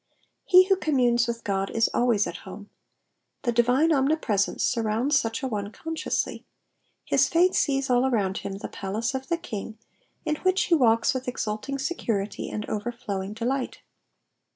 ^' He who communes with God is always at home. Tlie divine omnipresence surrounds such a one consciously ; his faith sees all around him the palace of the King, in which he walks with exulting security and overflowing delight.